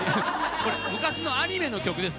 これ昔のアニメの曲ですね。